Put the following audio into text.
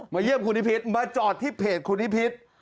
เยี่ยมคุณนิพิษมาจอดที่เพจคุณนิพิษ